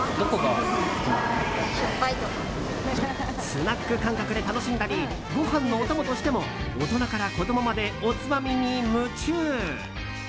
スナック感覚で楽しんだりご飯のお供としても大人から子供までおつまみに夢中。